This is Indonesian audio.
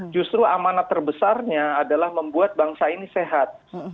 justru amanat terbesarnya adalah membuat bangsa ini sehat